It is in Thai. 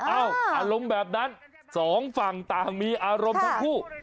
อารมณ์แบบนั้นสองฝั่งต่างมีอารมณ์ทั้งคู่